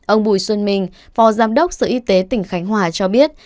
ông bùi xuân minh phó giám đốc sở y tế tỉnh khánh hòa cho biết